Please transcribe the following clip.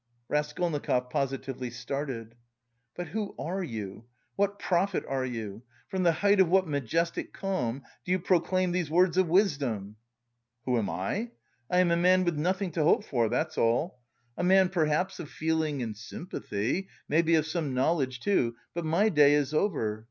Raskolnikov positively started. "But who are you? what prophet are you? From the height of what majestic calm do you proclaim these words of wisdom?" "Who am I? I am a man with nothing to hope for, that's all. A man perhaps of feeling and sympathy, maybe of some knowledge too, but my day is over.